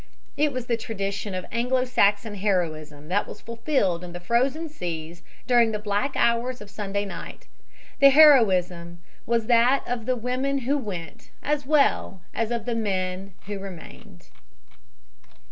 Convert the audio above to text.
It was the tradition of Anglo Saxon heroism that was fulfilled in the frozen seas during the black hours of Sunday night. The heroism was that of the women who went, as well as of the men who remained!